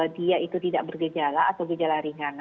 dia itu tidak bergejala atau gejala ringan